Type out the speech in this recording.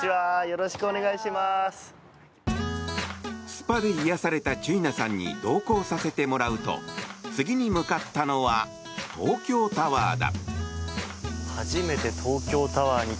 スパで癒やされたチュイナさんに同行させてもらうと次に向かったのは東京タワーだ。